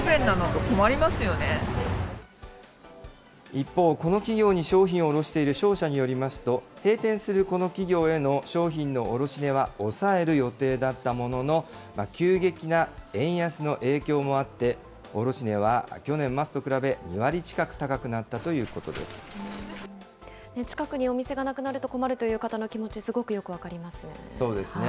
一方、この企業に商品を卸している商社によりますと、閉店するこの企業への商品の卸値は抑える予定だったものの、急激な円安の影響もあって、卸値は去年末と比べ、２割近く高くなった近くにお店がなくなると困るという方の気持ち、すごくよく分かりますよね。